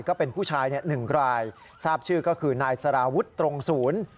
ก็เป็นผู้ชาย๑รายทราบชื่อก็คือนายสารวุฒิตรงศูนย์